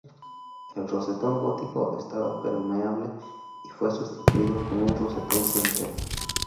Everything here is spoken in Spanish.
El rosetón gótico estaba permeable y fue sustituido con un rosetón simple.